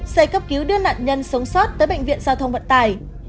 xe cấp cứu đưa nạn nhân sống sót tới bệnh viện giao thông vận tải